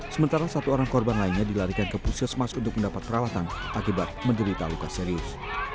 sementara satu orang korban lainnya dilarikan ke puskesmas untuk mendapat perawatan akibat menderita luka serius